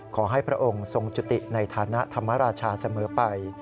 พระองค์ทรงจุติในฐานะธรรมราชาเสมอไป